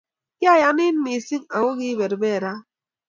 Kiayanin mising aku kiiberbera